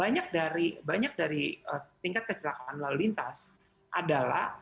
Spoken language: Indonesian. nah banyak dari tingkat kecelakaan lalu lintas terjadi karena mereka tidak ada kemampuan